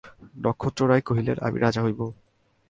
নক্ষত্ররায় কহিলেন, আমি রাজা হইব?